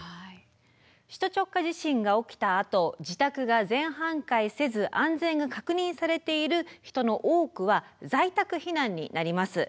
首都直下地震が起きたあと自宅が全半壊せず安全が確認されている人の多くは在宅避難になります。